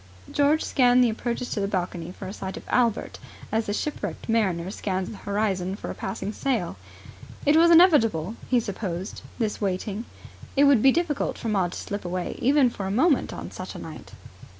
George scanned the approaches to the balcony for a sight of Albert as the shipwrecked mariner scans the horizon for the passing sail. It was inevitable, he supposed, this waiting. It would be difficult for Maud to slip away even for a moment on such a night.